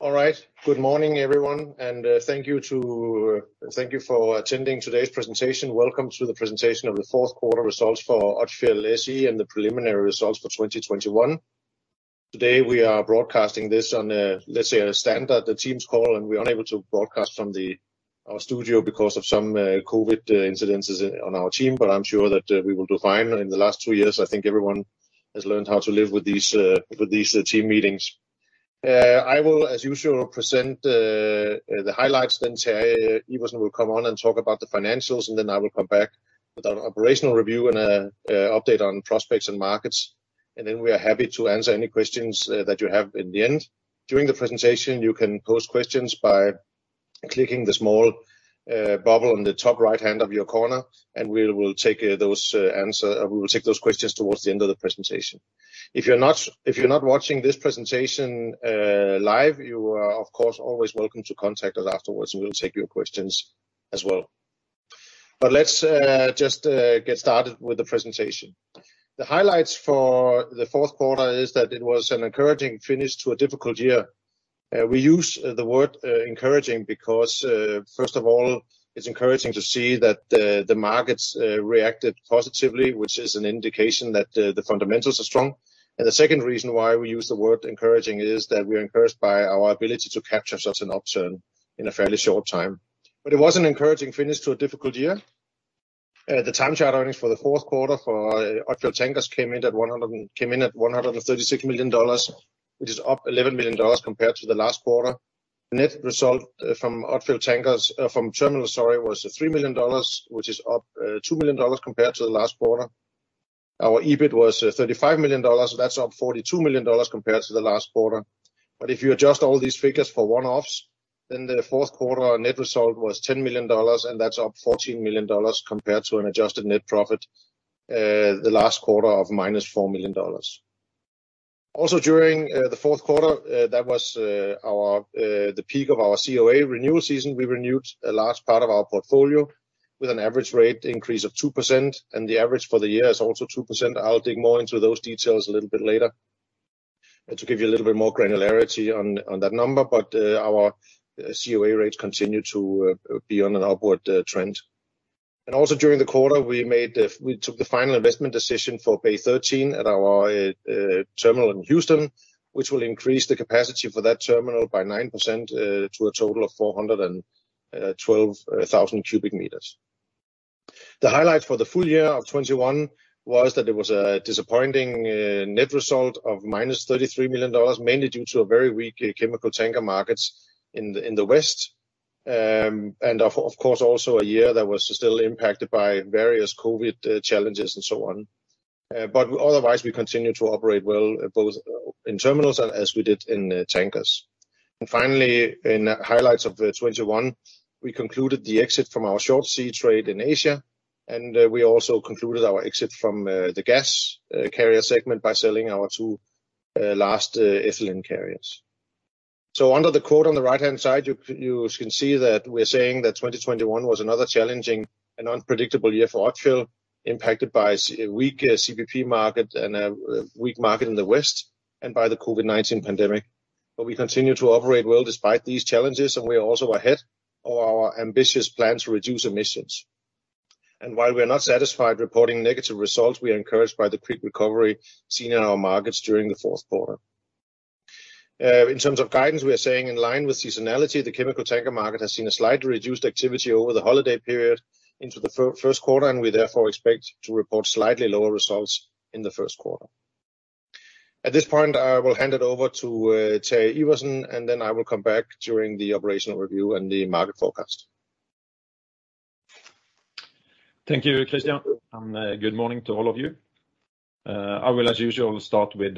All right. Good morning, everyone, and thank you for attending today's presentation. Welcome to the presentation of Q4 results for Odfjell SE and the preliminary results for 2021. Today, we are broadcasting this on, let's say, a standard Teams call, and we are unable to broadcast from our studio because of some COVID incidents on our team, but I'm sure that we will do fine. In the last two years, I think everyone has learned how to live with these team meetings. I will, as usual, present the highlights, then Terje Iversen will come on and talk about the financials, and then I will come back with an operational review and an update on prospects and markets. We are happy to answer any questions that you have in the end. During the presentation, you can pose questions by clicking the small bubble on the top right-hand of your corner, and we will take those questions towards the end of the presentation. If you're not watching this presentation live, you are, of course, always welcome to contact us afterwards, and we'll take your questions as well. Let's just get started with the presentation. The highlights for Q4 is that it was an encouraging finish to a difficult year. We use the word encouraging because first of all, it's encouraging to see that the markets reacted positively, which is an indication that the fundamentals are strong. The second reason why we use the word encouraging is that we are encouraged by our ability to capture such an upturn in a fairly short time. It was an encouraging finish to a difficult year. The time charter earnings for Q4 for Odfjell Tankers came in at $136 million, which is up $11 million compared to the last quarter. The net result from Odfjell Terminals was $3 million, which is up $2 million compared to the last quarter. Our EBIT was $35 million, so that's up $42 million compared to the last quarter. If you adjust all these figures for one-offs, then Q4 net result was $10 million, and that's up $14 million compared to an adjusted net profit the last quarter of -$4 million. Also, during Q4, that was the peak of our COA renewal season. We renewed a large part of our portfolio with an average rate increase of 2%, and the average for the year is also 2%. I'll dig more into those details a little bit later to give you a little bit more granularity on that number. Our COA rates continue to be on an upward trend. Also during the quarter, we took the final investment decision for Bay 13 at our terminal in Houston, which will increase the capacity for that terminal by 9%, to a total of 412,000 cubic meters. The highlight for the full year of 2021 was that it was a disappointing net result of -$33 million, mainly due to a very weak chemical tanker markets in the West. Of course, also a year that was still impacted by various COVID challenges and so on. Otherwise, we continue to operate well, both in terminals as we did in tankers. Finally, in highlights of 2021, we concluded the exit from our short sea trade in Asia, and we also concluded our exit from the gas carrier segment by selling our 2 last ethylene carriers. Under the quote on the right-hand side, you can see that we're saying that 2021 was another challenging and unpredictable year for Odfjell, impacted by a weak CPP market and a weak market in the West and by the COVID-19 pandemic. We continue to operate well despite these challenges, and we are also ahead of our ambitious plan to reduce emissions. While we are not satisfied reporting negative results, we are encouraged by the quick recovery seen in our markets during Q4. In terms of guidance, we are saying in line with seasonality, the chemical tanker market has seen a slightly reduced activity over the holiday period into Q1, and we therefore expect to report slightly lower results in Q1. At this point, I will hand it over to Terje Iversen, and then I will come back during the operational review and the market forecast. Thank you, Kristian, and good morning to all of you. I will, as usual, start with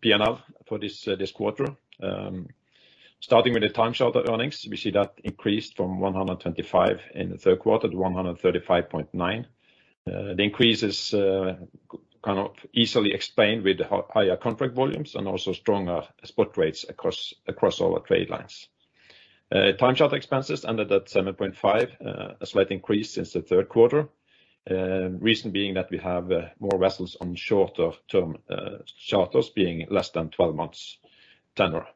P&L for this quarter. Starting with the time charter earnings, we see that increased from $125 million in Q3 to $135.9 million. The increase is kind of easily explained with higher contract volumes and also stronger spot rates across all the trade lines. Time charter expenses ended at $7.5 million, a slight increase since Q3. Reason being that we have more vessels on shorter term charters being less than 12 months tenure.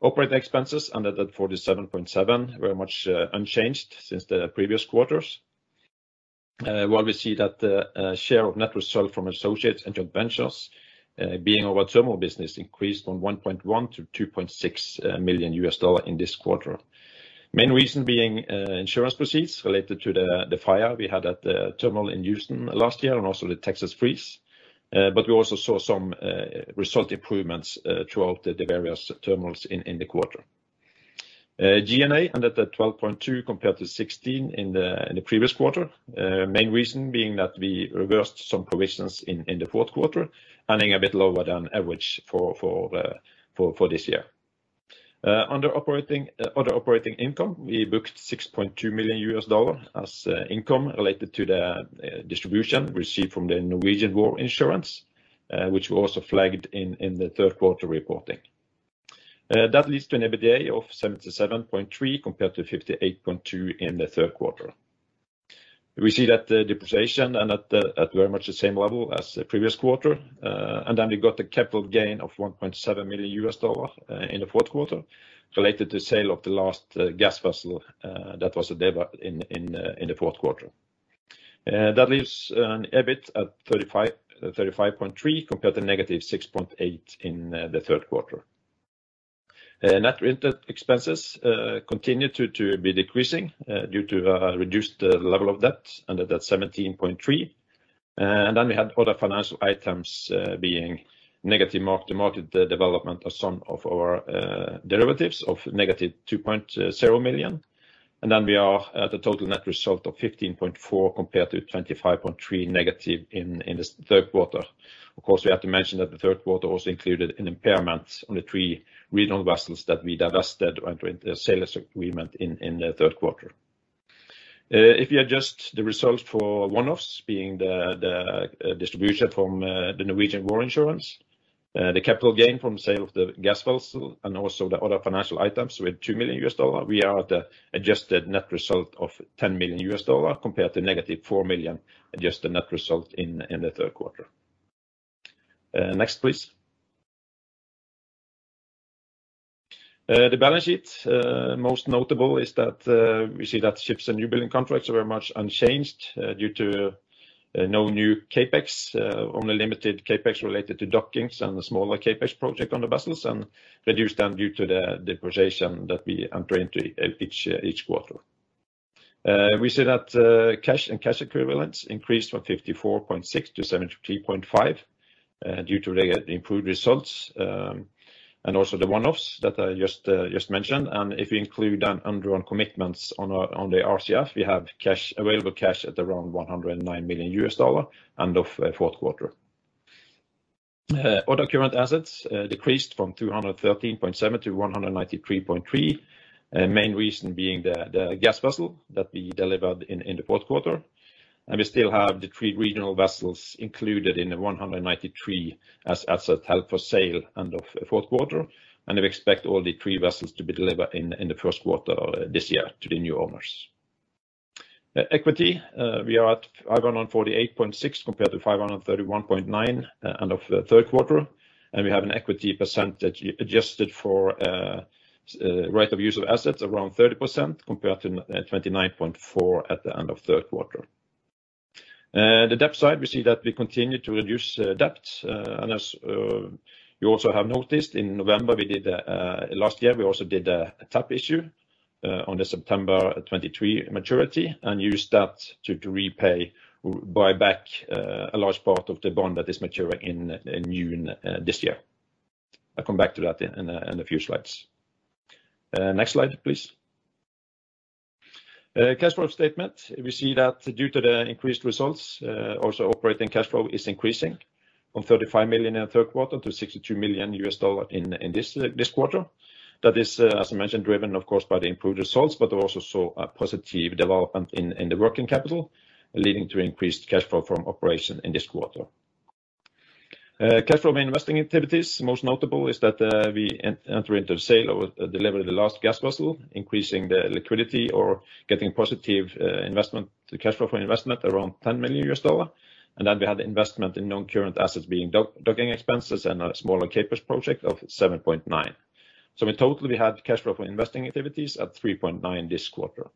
Operating expenses ended at $47.7 million, very much unchanged since the previous quarters. While we see that share of net result from associates and joint ventures being our terminal business increased from $1.1 million-$2.6 million in this quarter. Main reason being insurance proceeds related to the fire we had at the terminal in Houston last year and also the Texas freeze. We also saw some result improvements throughout the various terminals in the quarter. G&A ended at 12.2 compared to 16 in the previous quarter. Main reason being that we reversed some provisions in the fourth quarter, ending a bit lower than average for this year. Under operating other operating income, we booked $6.2 million as income related to the distribution received from the Norwegian War Insurance, which we also flagged in Q3 reporting. That leads to an EBITDA of $77.3 million compared to $58.2 million in Q3. We see that the depreciation and amortization at very much the same level as the previous quarter. We got a capital gain of $1.7 million in Q4 related to sale of the last gas vessel that was delivered in Q4. That leaves an EBIT of $35.3 million compared to -$6.8 million in the third quarter. Net interest expenses continued to be decreasing due to a reduced level of debt, and that's $17.3 million. We had other financial items being negative mark-to-market development of some of our derivatives of negative $2.0 million. We are at a total net result of $15.4 million compared to negative $25.3 million in Q3. Of course, we have to mention that Q3 also included an impairment on the three regional vessels that we divested under the sales agreement in Q3. If you adjust the results for one-offs, being the distribution from the Norwegian War Insurance, the capital gain from sale of the gas vessel and also the other financial items with $2 million, we are at the adjusted net result of $10 million compared to -$4 million adjusted net result in Q3. Next, please. The balance sheet. Most notable is that we see that ships and new building contracts are very much unchanged due to no new CapEx, only limited CapEx related to dockings and the smaller CapEx project on the vessels and reduced then due to the depreciation that we enter into each quarter. We see that cash and cash equivalents increased from $54.6 million - $73.5 million due to the improved results and also the one-offs that I just mentioned. If we include undrawn commitments on the RCF, we have available cash at around $109 million end of Q4. Other current assets decreased from $213.7 million - $193.3 million. Main reason being the gas vessel that we delivered in Q4. We still have the three regional vessels included in the $193.3 million as held for sale end of fourth quarter. We expect all three vessels to be delivered in Q4 this year to the new owners. Equity, we are at 548.6 compared to 531.9 at end of Q3. We have an equity percentage adjusted for right of use of assets around 30% compared to 29.4 at the end of Q3. The debt side, we see that we continue to reduce debt. As you also have noticed, in November, we did last year, we also did a tap issue on the September 2023 maturity and used that to repay, buy back a large part of the bond that is maturing in June this year. I come back to that in a few slides. Next slide, please. Cash flow statement. We see that due to the increased results, also operating cash flow is increasing from $35 million in Q3 - $62 million in this quarter. That is, as I mentioned, driven of course by the improved results, but also saw a positive development in the working capital, leading to increased cash flow from operation in this quarter. Cash flow from investing activities. Most notable is that, we enter into sale and delivery of the last gas vessel, increasing the liquidity or getting positive investment cash flow from investment around $10 million. Then we had the investment in non-current assets being docking expenses and a smaller CapEx project of $7.9. In total, we had cash flow from investing activities at $3.9 this quarter.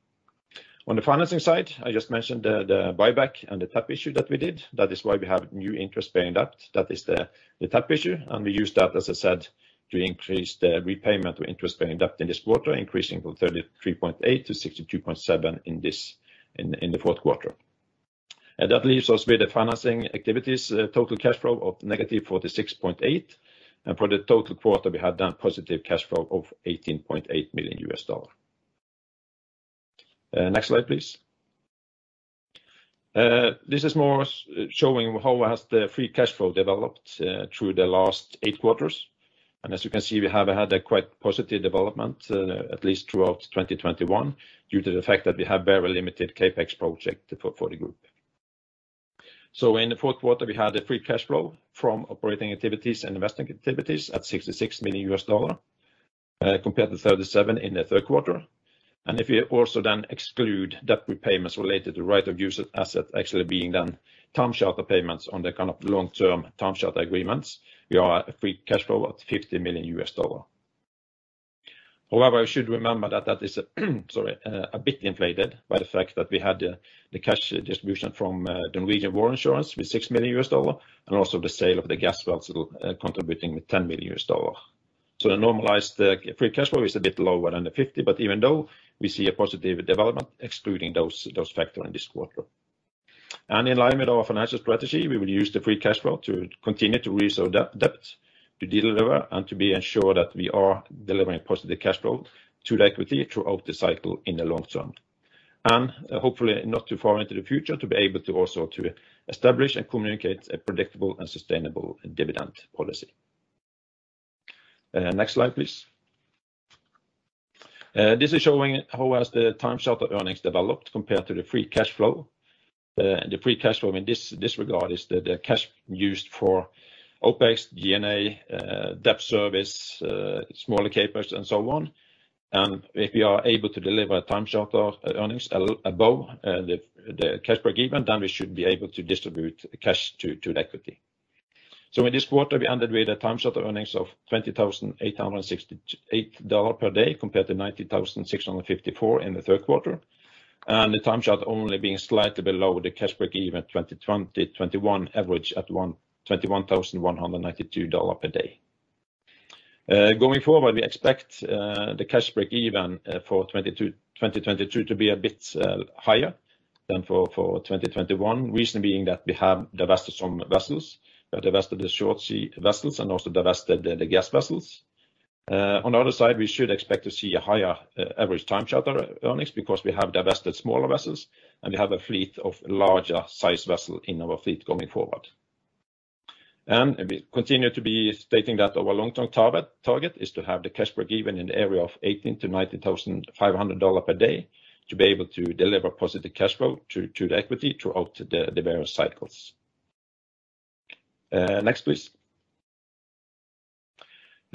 On the financing side, I just mentioned the buyback and the tap issue that we did. That is why we have new interest-bearing debt. That is the tap issue, and we use that, as I said, to increase the repayment of interest-bearing debt in this quarter, increasing from $33.8 million - $62.7 million in Q4. That leaves us with the financing activities total cash flow of -$46.8 million. For the total quarter, we have done positive cash flow of $18.8 million. Next slide, please. This is more showing how has the free cash flow developed through the last eight quarters. As you can see, we have had a quite positive development, at least throughout 2021 due to the fact that we have very limited CapEx project for the group. In the fourth quarter, we had a free cash flow from operating activities and investing activities at $66 million, compared to $37 million in the third quarter. If we also then exclude debt repayments related to right of use asset actually being done time charter payments on the kind of long-term time charter agreements, we are at free cash flow at $50 million. However, we should remember that that is, sorry, a bit inflated by the fact that we had the cash distribution from the Norwegian War Insurance with $6 million and also the sale of the gas vessel contributing with $10 million. The normalized free cash flow is a bit lower than the $50, but even though, we see a positive development excluding those factors in this quarter. In line with our financial strategy, we will use the free cash flow to continue to reduce our debt, to deliver and ensure that we are delivering positive cash flow to the equity throughout the cycle in the long term. Hopefully not too far into the future, to be able to also establish and communicate a predictable and sustainable dividend policy. Next slide, please. This is showing how the time charter earnings developed compared to the free cash flow. The free cash flow in this regard is the cash used for OpEx, G&A, debt service, smaller CapEx, and so on. If we are able to deliver time charter earnings above the cash break-even, then we should be able to distribute cash to the equity. In this quarter we ended with time charter earnings of $20,868 per day compared to $96,654 in the third quarter. The time charter only being slightly below the cash break-even 2020 to 2021 average at $21,192 per day. Going forward, we expect the cash break-even for 2022 to be a bit higher than for 2021. Reason being that we have divested some vessels. We have divested the short-sea vessels and also divested the gas vessels. On the other side, we should expect to see a higher average time charter earnings because we have divested smaller vessels, and we have a fleet of larger size vessel in our fleet going forward. We continue to be stating that our long-term target is to have the cash break-even in the area of $18,000-$19,500 per day to be able to deliver positive cash flow to the equity throughout the various cycles. Next, please.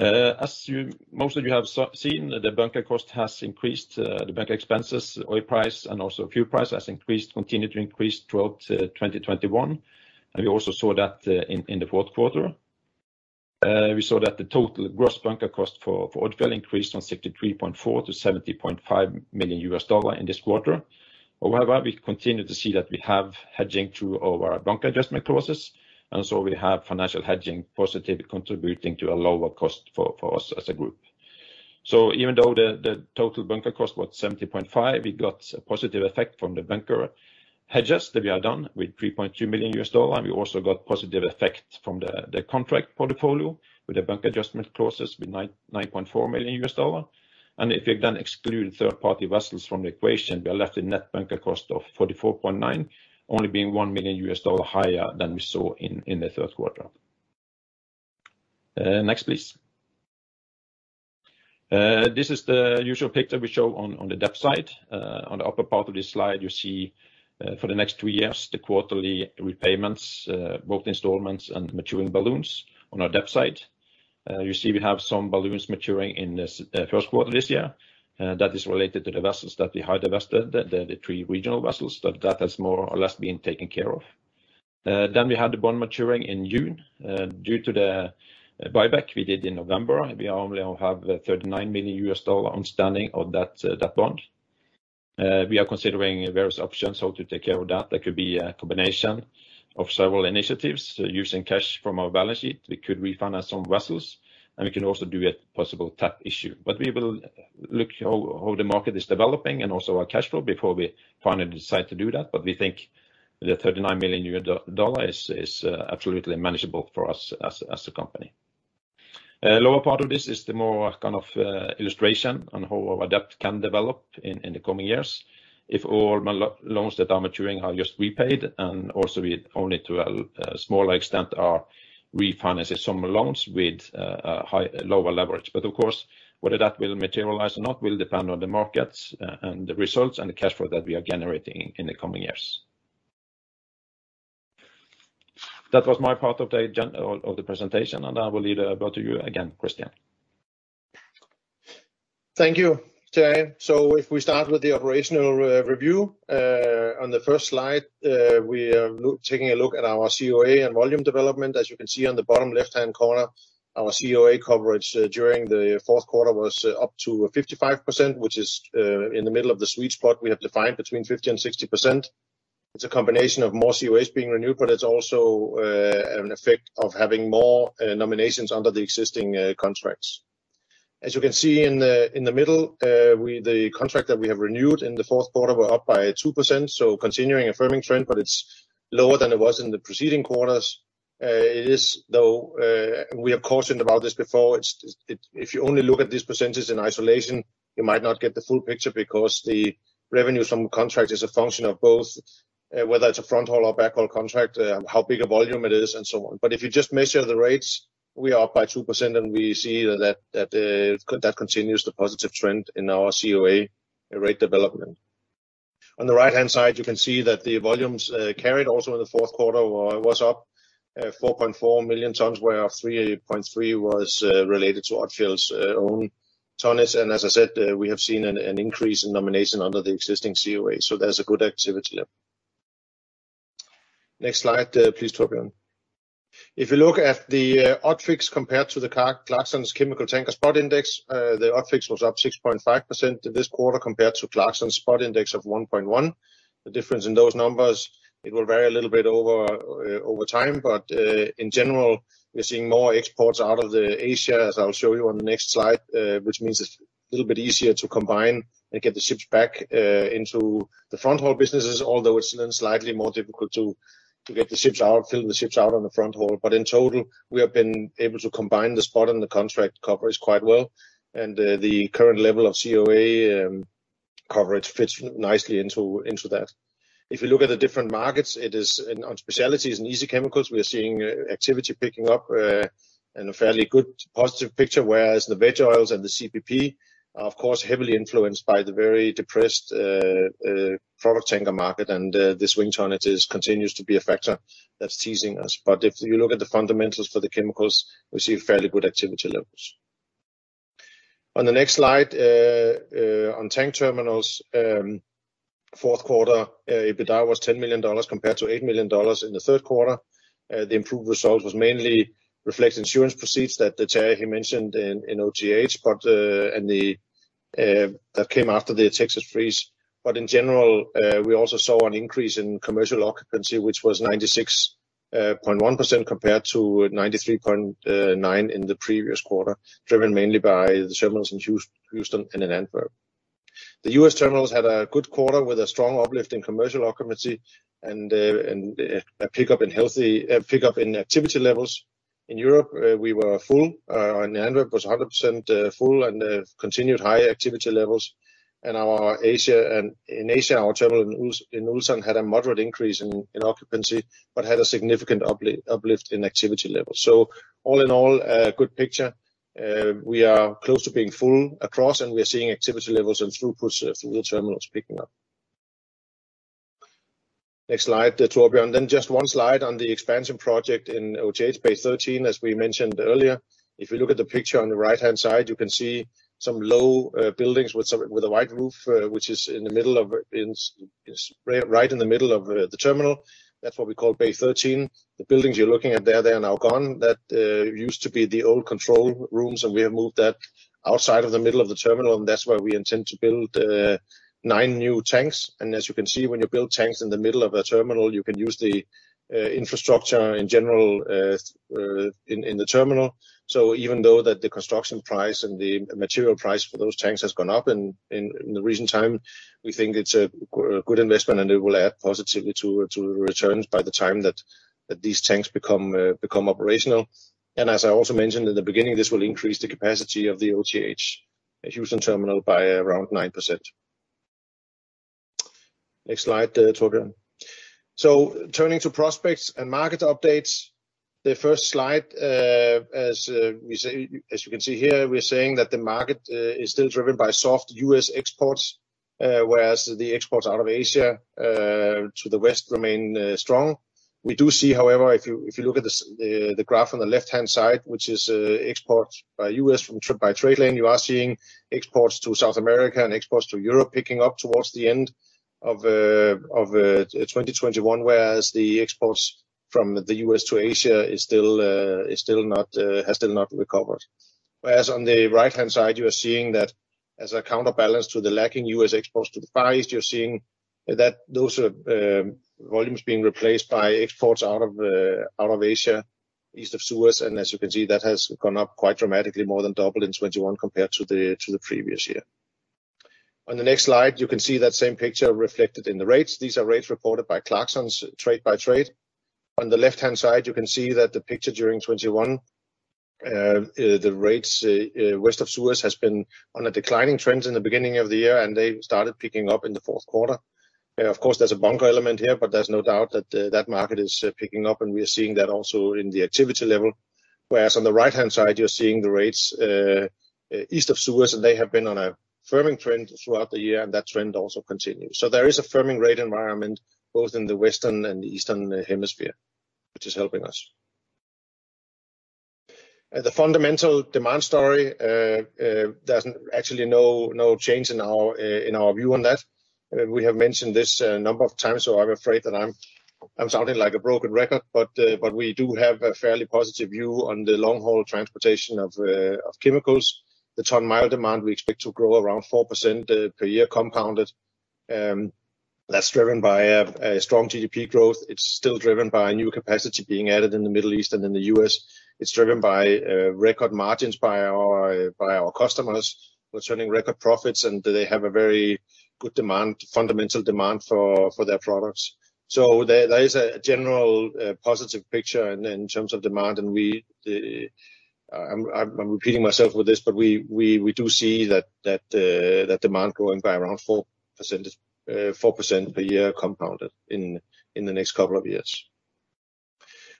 As most of you have seen, the bunker cost has increased, the bunker expenses, oil price and also fuel price has increased, continued to increase throughout 2021. We also saw that in the fourth quarter. We saw that the total gross bunker cost for Odfjell increased from $63.4 million - $70.5 million in this quarter. However, we continue to see that we have hedging through our bunker adjustment clauses, and so we have financial hedging positive contributing to a lower cost for us as a group. Even though the total bunker cost was $70.5 million, we got a positive effect from the bunker hedges that we have done with $3.2 million, and we also got positive effect from the contract portfolio with the bunker adjustment clauses with $9.4 million. If you then exclude third-party vessels from the equation, we are left a net bunker cost of $44.9 million, only being $1 million higher than we saw in Q3. Next, please. This is the usual picture we show on the debt side. On the upper part of this slide, you see, for the next two years, the quarterly repayments, both installments and maturing balloons on our debt side. You see we have some balloons maturing in this first quarter this year, that is related to the vessels that we have divested, the three regional vessels. That has more or less been taken care of. We had the bond maturing in June. Due to the buyback we did in November, we only have $39 million outstanding of that bond. We are considering various options how to take care of that. That could be a combination of several initiatives. Using cash from our balance sheet, we could refinance some vessels, and we can also do a possible tap issue. We will look how the market is developing and also our cash flow before we finally decide to do that. We think the $39 million is absolutely manageable for us as a company. Lower part of this is the more kind of illustration on how our debt can develop in the coming years if all loans that are maturing are just repaid and also we only to a smaller extent are refinancing some loans with lower leverage. Of course, whether that will materialize or not will depend on the markets and the results and the cash flow that we are generating in the coming years. That was my part of the agenda or the presentation, and I will leave it over to you again, Kristian. Thank you, Terje. If we start with the operational review on the first slide, we are looking at our COA and volume development. As you can see on the bottom left-hand corner, our COA coverage during Q4 was up to 55%, which is in the middle of the sweet spot we have defined between 50% and 60%. It's a combination of more COAs being renewed, but it's also an effect of having more nominations under the existing contracts. As you can see in the middle, the contract that we have renewed in Q4 were up by 2%, so continuing a firming trend, but it's lower than it was in the preceding quarters. It is though, we have cautioned about this before. If you only look at this percentage in isolation, you might not get the full picture because the revenue from contract is a function of both, whether it's a front haul or back haul contract, how big a volume it is, and so on. If you just measure the rates, we are up by 2%, and we see that continues the positive trend in our COA rate development. On the right-hand side, you can see that the volumes carried also in the fourth quarter were up, 4.4 million tons, where 3.3 was related to Odfjell's own tonnage. As I said, we have seen an increase in nomination under the existing COA, so there's a good activity level. Next slide, please, Torbjørn. If you look at the ODFIX compared to the Clarksons Chemical Tanker Spot Index, the ODFIX was up 6.5% this quarter compared to Clarksons Spot Index of 1.1%. The difference in those numbers, it will vary a little bit over time, but in general, we're seeing more exports out of Asia, as I'll show you on the next slide, which means it's a little bit easier to combine and get the ships back into the front haul businesses, although it's then slightly more difficult to get the ships out, fill the ships out on the front haul. In total, we have been able to combine the spot and the contract coverage quite well, and the current level of COA coverage fits nicely into that. If you look at the different markets, it is on specialties and easy chemicals, we are seeing activity picking up, and a fairly good positive picture, whereas the veg oils and the CPP are of course heavily influenced by the very depressed product tanker market and the swing tonnage continues to be a factor that's teasing us. If you look at the fundamentals for the chemicals, we see fairly good activity levels. On the next slide, on tank terminals, fourth quarter EBITDA was $10 million compared to $8 million in the third quarter. The improved result was mainly reflected insurance proceeds that the Chairman mentioned in OTH, and that came after the Texas freeze. In general, we also saw an increase in commercial occupancy, which was 96.1% compared to 93.9% in the previous quarter, driven mainly by the terminals in Houston and in Antwerp. The U.S. terminals had a good quarter with a strong uplift in commercial occupancy and a pickup in activity levels. In Europe, we were full, and Antwerp was 100% full and continued high activity levels. In Asia, our terminal in Ulsan had a moderate increase in occupancy, but had a significant uplift in activity levels. All in all, a good picture. We are close to being full across, and we are seeing activity levels and throughputs through the terminals picking up. Next slide, Torbjørn. Just one slide on the expansion project in OTH Bay 13, as we mentioned earlier. If you look at the picture on the right-hand side, you can see some low buildings with a white roof, which is right in the middle of the terminal. That's what we call Bay 13. The buildings you're looking at there, they are now gone. That used to be the old control rooms, and we have moved that outside of the middle of the terminal, and that's where we intend to build 9 new tanks. As you can see, when you build tanks in the middle of a terminal, you can use the infrastructure in general in the terminal. Even though the construction price and the material price for those tanks has gone up in the recent time, we think it's a good investment, and it will add positively to returns by the time that these tanks become operational. As I also mentioned in the beginning, this will increase the capacity of the OTH Houston terminal by around 9%. Next slide, Torbjørn. Turning to prospects and market updates. The first slide, as we say, as you can see here, we're saying that the market is still driven by soft U.S. exports, whereas the exports out of Asia to the West remain strong. We do see, however, if you look at the the graph on the left-hand side, which is exports from the U.S. by trade lane, you are seeing exports to South America and exports to Europe picking up towards the end of 2021, whereas the exports from the U.S. to Asia has still not recovered. Whereas on the right-hand side, you are seeing that as a counterbalance to the lacking U.S. exports to the Far East, you are seeing that those are volumes being replaced by exports out of Asia, East of Suez. As you can see, that has gone up quite dramatically, more than doubled in 2021 compared to the previous year. On the next slide, you can see that same picture reflected in the rates. These are rates reported by Clarksons Trade by Trade. On the left-hand side, you can see that the picture during 2021, the rates West of Suez has been on a declining trend in the beginning of the year, and they started picking up in the fourth quarter. Of course, there's a bunker element here, but there's no doubt that that market is picking up, and we are seeing that also in the activity level. Whereas on the right-hand side, you're seeing the rates East of Suez, and they have been on a firming trend throughout the year, and that trend also continues. There is a firming rate environment both in the Western and the Eastern hemisphere, which is helping us. The fundamental demand story, there's actually no change in our view on that. We have mentioned this a number of times, so I'm afraid that I'm sounding like a broken record. We do have a fairly positive view on the long-haul transportation of chemicals. The ton-mile demand, we expect to grow around 4% per year compounded. That's driven by a strong GDP growth. It's still driven by new capacity being added in the Middle East and in the U.S. It's driven by record margins by our customers who are turning record profits, and they have a very good demand, fundamental demand for their products. There is a general positive picture in terms of demand. I'm repeating myself with this, but we do see that demand growing by around 4% per year compounded in the next couple of years.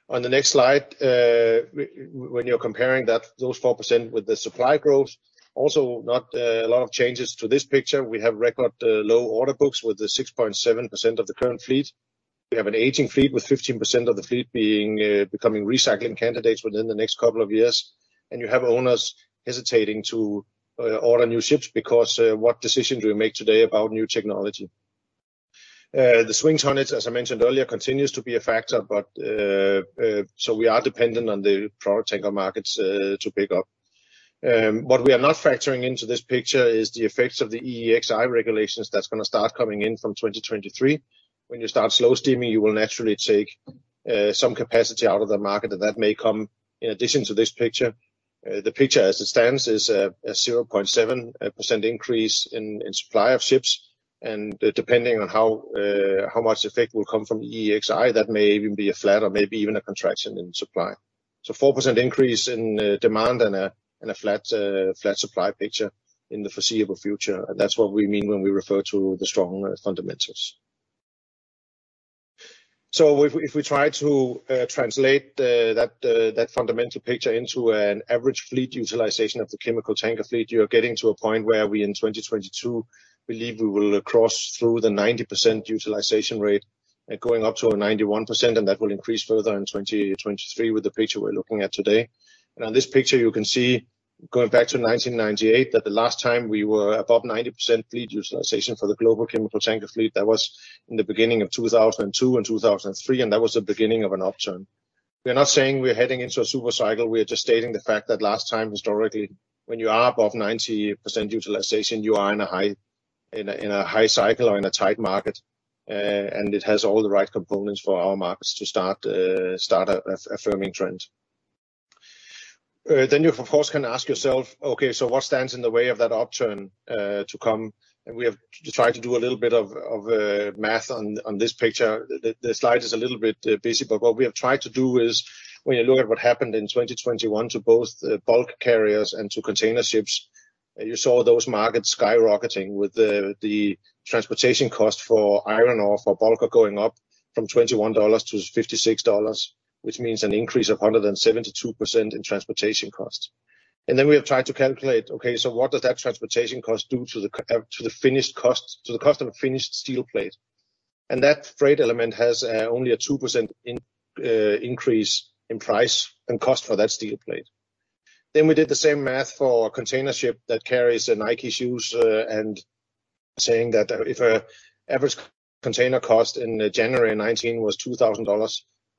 On the next slide, when you're comparing those 4% with the supply growth, also not a lot of changes to this picture. We have record low order books with the 6.7% of the current fleet. We have an aging fleet with 15% of the fleet becoming recycling candidates within the next couple of years. You have owners hesitating to order new ships because what decision do we make today about new technology? The swing tonnage, as I mentioned earlier, continues to be a factor, but so we are dependent on the product tanker markets to pick up. What we are not factoring into this picture is the effects of the EEXI regulations that's gonna start coming in from 2023. When you start slow steaming, you will naturally take some capacity out of the market, and that may come in addition to this picture. The picture as it stands is a 0.7% increase in supply of ships. Depending on how much effect will come from EEXI, that may even be a flat or maybe even a contraction in supply. 4% increase in demand and a flat supply picture in the foreseeable future. That's what we mean when we refer to the strong fundamentals. If we try to translate that fundamental picture into an average fleet utilization of the chemical tanker fleet, you are getting to a point where we, in 2022, believe we will cross through the 90% utilization rate and going up to a 91%, and that will increase further in 2023 with the picture we're looking at today. On this picture, you can see, going back to 1998, that the last time we were above 90% fleet utilization for the global chemical tanker fleet, that was in the beginning of 2002 and 2003, and that was the beginning of an upturn. We're not saying we're heading into a super cycle. We are just stating the fact that last time, historically, when you are above 90% utilization, you are in a high cycle or in a tight market. It has all the right components for our markets to start a firming trend. You, of course, can ask yourself, okay, so what stands in the way of that upturn to come? We have tried to do a little bit of math on this picture. The slide is a little bit busy, but what we have tried to do is when you look at what happened in 2021 to both the bulk carriers and to container ships, you saw those markets skyrocketing with the transportation cost for iron ore, for bulker going up from $21 - $56, which means an increase of 172% in transportation costs. Then we have tried to calculate, okay, so what does that transportation cost do to the finished cost, to the cost of a finished steel plate? That freight element has only a 2% increase in price and cost for that steel plate. We did the same math for a container ship that carries Nike shoes and saying that if an average container cost in January 2019 was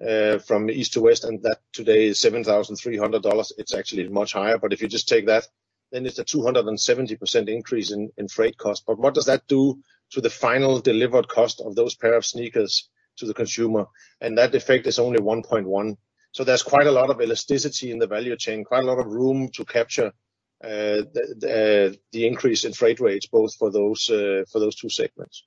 $2,000 from east to west, and that today is $7,300, it's actually much higher, but if you just take that, then it's a 270% increase in freight costs. What does that do to the final delivered cost of those pair of sneakers to the consumer? That effect is only 1.1%. There's quite a lot of elasticity in the value chain, quite a lot of room to capture the increase in freight rates, both for those two segments.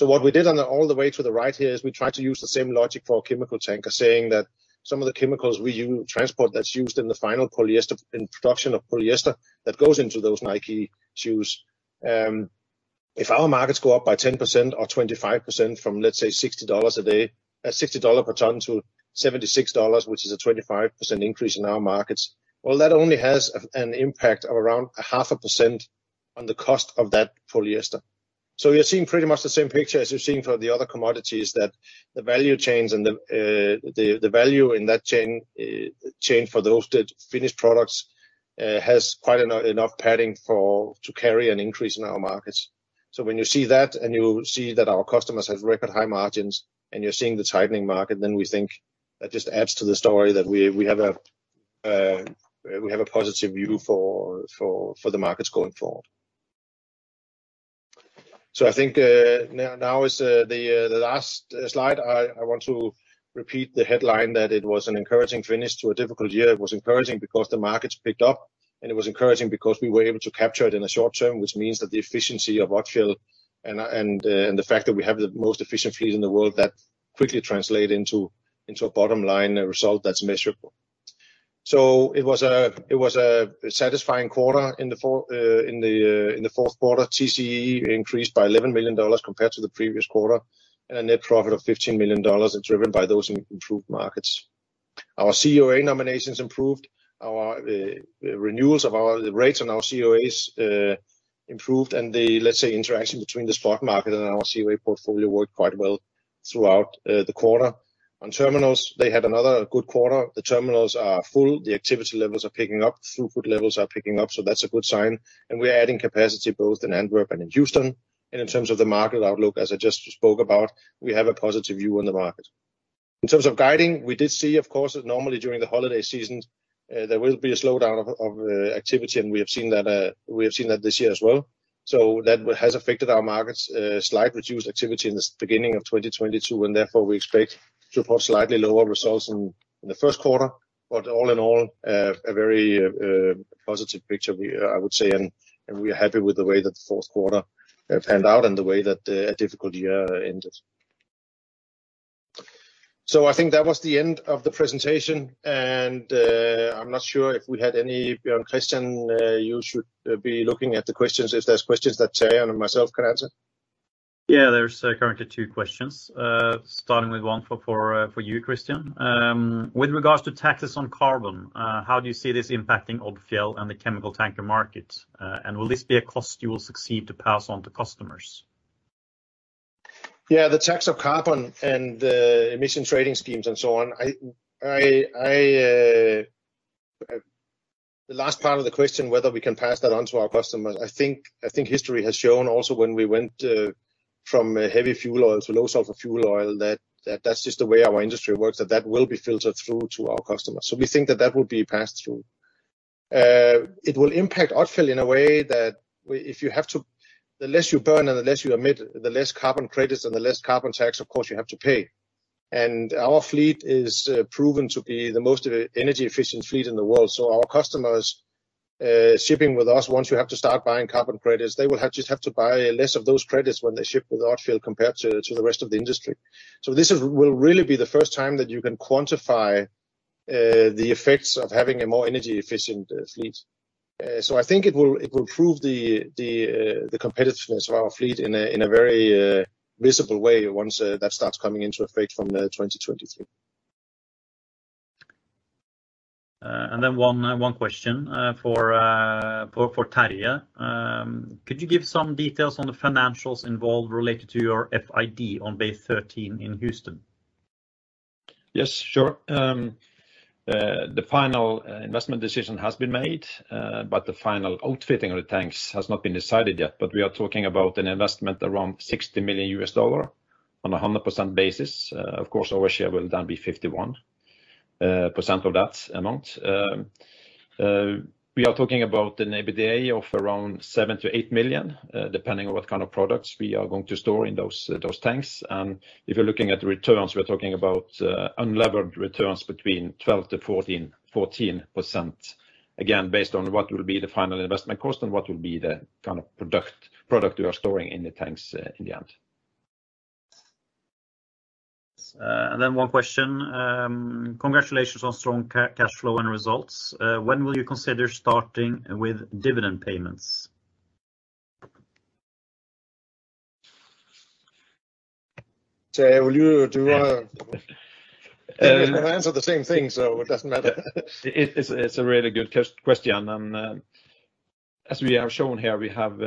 What we did all the way to the right here is we tried to use the same logic for chemical tanker, saying that some of the chemicals we transport that's used in the final polyester, in production of polyester that goes into those Nike shoes, if our markets go up by 10% or 25% from, let's say, $60 a day, $60 per ton to $76, which is a 25% increase in our markets, well, that only has an impact of around 0.5% on the cost of that polyester. We are seeing pretty much the same picture as you're seeing for the other commodities, that the value chains and the value in that chain for those finished products has quite enough padding to carry an increase in our markets. When you see that, and you see that our customers have record high margins, and you're seeing the tightening market, then we think that just adds to the story that we have a positive view for the markets going forward. I think now is the last slide. I want to repeat the headline that it was an encouraging finish to a difficult year. It was encouraging because the markets picked up, and it was encouraging because we were able to capture it in the short term, which means that the efficiency of Odfjell and the fact that we have the most efficient fleet in the world, that quickly translate into a bottom line, a result that's measurable. It was a satisfying quarter in Q4. TCE increased by $11 million compared to the previous quarter, and a net profit of $15 million is driven by those improved markets. Our COA nominations improved. Our renewals of our, the rates on our COAs improved. The, let's say, interaction between the stock market and our COA portfolio worked quite well throughout the quarter. On terminals, they had another good quarter. The terminals are full. The activity levels are picking up. Throughput levels are picking up, so that's a good sign. We are adding capacity both in Antwerp and in Houston. In terms of the market outlook, as I just spoke about, we have a positive view on the market. In terms of guiding, we did see, of course, that normally during the holiday season, there will be a slowdown of activity, and we have seen that this year as well. That has affected our markets, slightly reduced activity in the beginning of 2022, and therefore, we expect to report slightly lower results in Q1. All in all, a very positive picture we, I would say, and we are happy with the way that Q4 panned out and the way that a difficult year ended. I think that was the end of the presentation, and I'm not sure if we had any. Bjørn, Kristian, you should be looking at the questions if there's questions that I and myself can answer. Yeah, there's currently two questions. Starting with one for you, Kristian. With regards to taxes on carbon, how do you see this impacting Odfjell and the chemical tanker market? And will this be a cost you will seek to pass on to customers? Yeah. The tax on carbon and emissions trading schemes and so on. The last part of the question, whether we can pass that on to our customers, I think history has shown also when we went from heavy fuel oil to low sulfur fuel oil, that's just the way our industry works, that will be filtered through to our customers. We think that will be passed through. It will impact Odfjell in a way that the less you burn and the less you emit, the less carbon credits and the less carbon tax, of course, you have to pay. Our fleet is proven to be the most energy efficient fleet in the world. Our customers shipping with us, once you have to start buying carbon credits, they will just have to buy less of those credits when they ship with Odfjell compared to the rest of the industry. This will really be the first time that you can quantify the effects of having a more energy efficient fleet. I think it will prove the competitiveness of our fleet in a very visible way once that starts coming into effect from 2023. One question for Terje. Could you give some details on the financials involved related to your FID on Bay Thirteen in Houston? Yes, sure. The final investment decision has been made, but the final outfitting of the tanks has not been decided yet. We are talking about an investment around $60 million on a 100% basis. Of course, our share will then be 51% of that amount. We are talking about an EBITDA of around $7 million-$8 million, depending on what kind of products we are going to store in those tanks. If you're looking at returns, we're talking about unlevered returns between 12%-14%, again, based on what will be the final investment cost and what will be the kind of product we are storing in the tanks in the end. One question. Congratulations on strong cash flow and results. When will you consider starting with dividend payments? Terje, we're gonna answer the same thing, so it doesn't matter. It's a really good question. As we have shown here, we have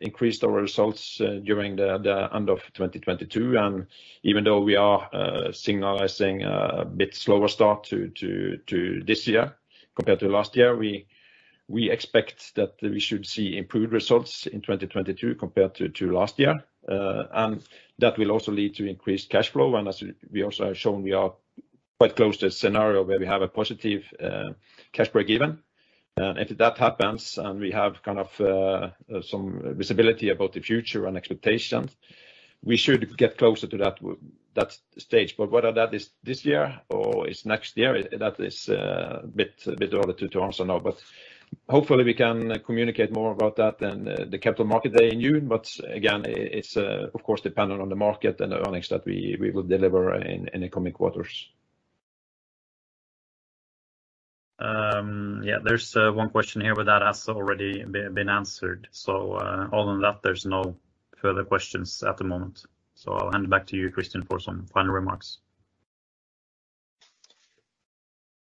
increased our results during the end of 2022. Even though we are signaling a bit slower start to this year compared to last year, we expect that we should see improved results in 2022 compared to last year. That will also lead to increased cash flow. As we also have shown we are quite close to a scenario where we have a positive cash break-even. If that happens, and we have kind of some visibility about the future and expectations, we should get closer to that stage. Whether that is this year or is next year, that is a bit early to answer now. Hopefully we can communicate more about that in the capital market day in June. Again, it's of course dependent on the market and earnings that we will deliver in the coming quarters. Yeah. There's one question here, but that has already been answered. Other than that, there's no further questions at the moment. I'll hand it back to you, Kristian, for some final remarks.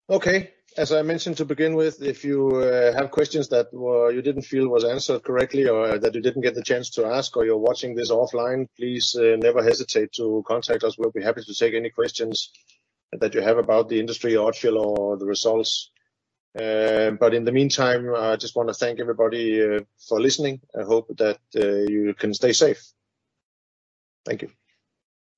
Okay. As I mentioned to begin with, if you have questions that you didn't feel was answered correctly or that you didn't get the chance to ask, or you're watching this offline, please never hesitate to contact us. We'll be happy to take any questions that you have about the industry or Odfjell or the results. In the meantime, I just wanna thank everybody for listening. I hope that you can stay safe. Thank you.